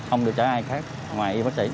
không được chở ai khác ngoài y bác sĩ